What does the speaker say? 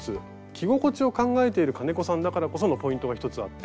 着心地を考えている金子さんだからこそのポイントが一つあって。